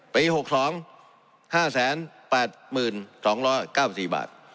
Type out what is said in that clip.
ปี๖๒๕๘๒๙๔บาท